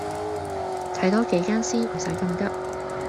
睇多幾間先，唔洗咁急